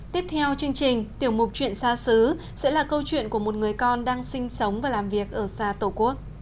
tiếp theo chương trình tiểu mục chuyện xa xứ sẽ là câu chuyện của một người con đang sinh sống và làm việc ở xa tổ quốc